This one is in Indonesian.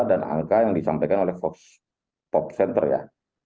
dan angka yang disampaikan oleh vox center ya